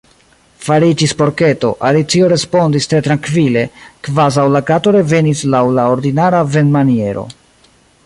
"Fariĝis porketo," Alicio respondis tre trankvile, kvazaŭ la Kato revenis laŭ la ordinara venmaniero.